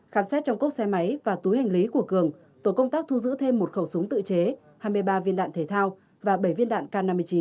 khám xét trong cốc xe máy và túi hành lý của cường tổ công tác thu giữ thêm một khẩu súng tự chế hai mươi ba viên đạn thể thao và bảy viên đạn k năm mươi chín